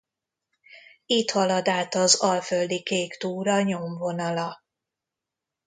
Itt halad át az Alföldi Kék Túra nyomvonala.